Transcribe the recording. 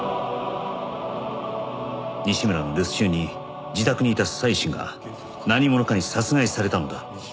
西村の留守中に自宅にいた妻子が何者かに殺害されたのだ